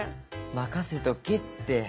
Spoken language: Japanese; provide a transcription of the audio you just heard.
任せとけって！